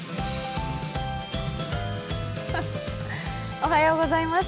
おはようございます。